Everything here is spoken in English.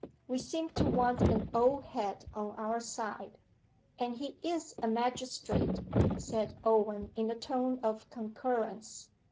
We seem to want an old head on our side.' 'And he is a magistrate,' said Owen in a tone of concurrence.